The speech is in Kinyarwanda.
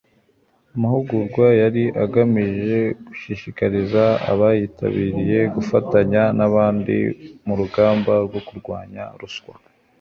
amahugurwa yari agamije gushishikariza abayitabiriye gufatanya n'abandi mu rugamba rwo kurwanya ruswa